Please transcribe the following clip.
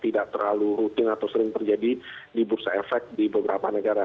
tidak terlalu rutin atau sering terjadi di bursa efek di beberapa negara